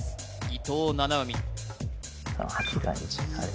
伊藤七海